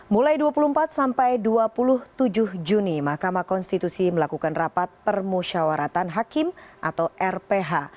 mulai dua puluh empat sampai dua puluh tujuh juni mahkamah konstitusi melakukan rapat permusyawaratan hakim atau rph